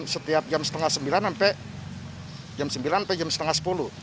setiap jam setengah sembilan sampai jam sembilan sampai jam setengah sepuluh